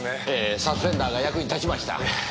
サスペンダーが役に立ちました。